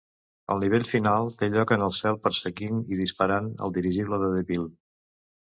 El nivell final té lloc en el cel perseguint i disparant el dirigible de Deville.